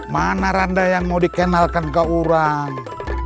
mana randa yang mau dikenalkan ke orang